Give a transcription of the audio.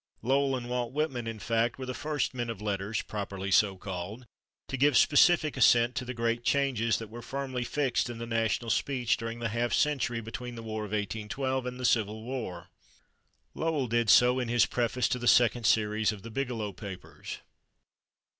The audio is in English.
Lowell and Walt Whitman, in fact, were the first men of letters, properly so called, to give specific assent to the great changes that were firmly fixed in the national speech during the half century between the War of 1812 and the Civil War. Lowell did so in his preface to the second series of "The Biglow Papers."